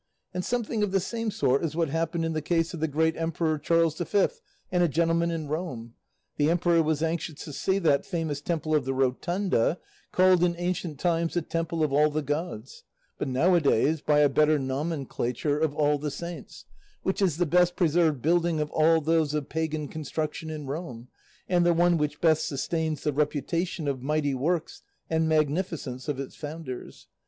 And something of the same sort is what happened in the case of the great emperor Charles V and a gentleman in Rome. The emperor was anxious to see that famous temple of the Rotunda, called in ancient times the temple 'of all the gods,' but now a days, by a better nomenclature, 'of all the saints,' which is the best preserved building of all those of pagan construction in Rome, and the one which best sustains the reputation of mighty works and magnificence of its founders.